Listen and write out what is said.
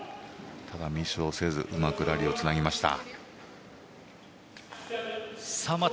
ただ、ミスをせずうまくラリーをつなぎました。